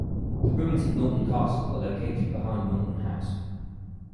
The ruins of Naughton Castle are located behind Naughton House.